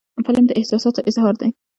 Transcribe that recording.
فلم د احساساتو اظهار دی